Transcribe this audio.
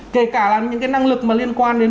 kể cả là những cái năng lực mà liên quan đến